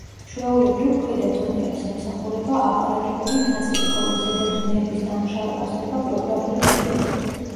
ჩვეულებრივ ქვედა დონეებს ემსახურება აპარატურული ნაწილი, ხოლო ზედა დონეების დამუშავება ხდება პროგრამული მეთოდით.